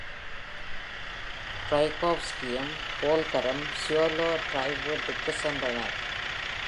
ஃப்ரைகோவ்ஸ்கியும் ஃபோல்கரும் சியோலோ drive வீட்டிற்கு சென்றனர்.